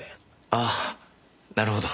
ああなるほど。